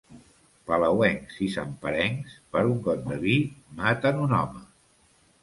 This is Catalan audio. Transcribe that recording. Palauencs i santperencs, per un got de vi, maten un home.